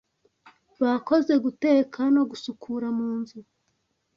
Bakoze guteka no gusukura munzu.